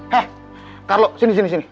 heh carlo sini sini sini